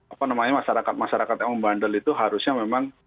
apa namanya masyarakat masyarakat yang membandel itu harusnya memang